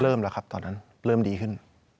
เริ่มแล้วครับตอนนั้นเริ่มดีขึ้น